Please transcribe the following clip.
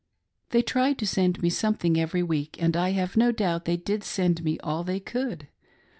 They tried to send me sotnething every week, and I hai^e no doubt they did send me all that they could.